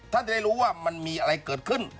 จะได้รู้ว่ามันมีอะไรเกิดขึ้น